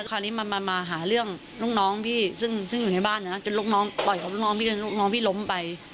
แล้วคราวนี้มามามาหาเรื่องลูกน้องพี่ซึ่งซึ่งอยู่ในบ้านนะจนลูกน้องต่อยออกลูกน้องพี่แล้วลูกน้องพี่ล้มไป